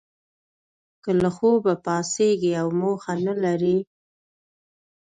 که له خوبه پاڅیږی او موخه نه لرئ